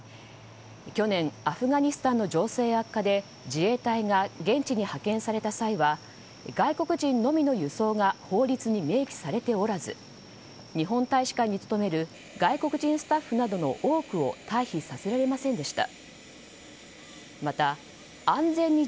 去年アフガニスタンの情勢悪化で自衛隊が現地に派遣された際は外国人のみの輸送が法律に明記されておらず日本大使館に勤める外国人スタッフなどの多くを退避させられませんでした。